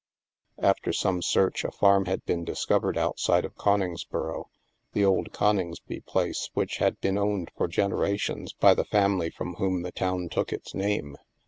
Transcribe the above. After some search, a farm had been discovered outside of Coningsboro — the old Coningsby place which had been owned for generations by the family from whom the town took its name.